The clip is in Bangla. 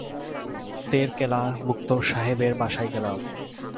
তোরকেলা মোক্তার সাহেবের বাসায় গেলাম!